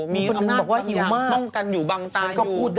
มีอำนาจบ้างอย่างนุกกันอยู่บางน้ำตาอยู่